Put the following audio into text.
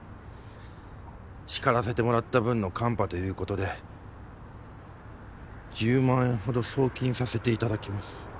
叱らせてもらった分のカンパということで１０万円ほど送金させて頂きます」。